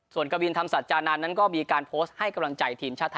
ส่วนกวินธรรมสัจจานันทร์นั้นก็มีการโพสต์ให้กำลังใจทีมชาติไทย